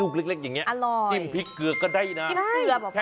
ผิ้งพริกเกลือก็ได้นะ